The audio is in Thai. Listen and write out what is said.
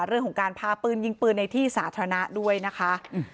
เรื่องของการพาปืนยิงปืนในที่สาธารณะด้วยนะคะ